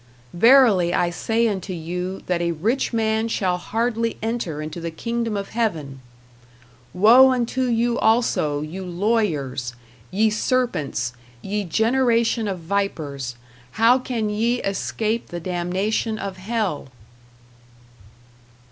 Verily, I say unto you, that a rich man shall hardly enter into the kingdom of Heaven! Woe unto you also, you lawyers! Ye serpents, ye generation of vipers, how can ye escape the damnation of hell?"